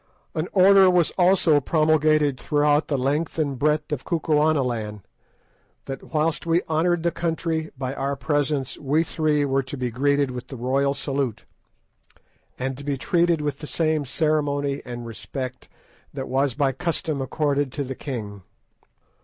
An order was also promulgated throughout the length and breadth of Kukuanaland that, whilst we honoured the country by our presence, we three were to be greeted with the royal salute, and to be treated with the same ceremony and respect that was by custom accorded to the king.